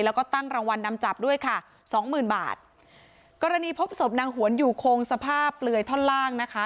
แล้วก็ตั้งรางวัลนำจับด้วยค่ะสองหมื่นบาทกรณีพบศพนางหวนอยู่คงสภาพเปลือยท่อนล่างนะคะ